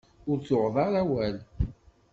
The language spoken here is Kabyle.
Ur tuɣeḍ ara awal.